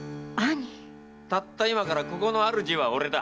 たった今からここの主は俺だ。